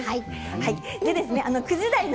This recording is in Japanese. ９時台の。